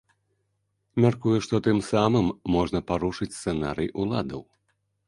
Мяркуе, што тым самым можна парушыць сцэнарый уладаў.